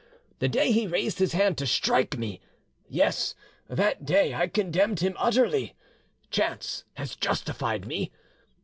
The day he raised his hand to strike me—yes, that day I condemned him utterly.... Chance has justified me!